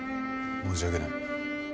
申し訳ない。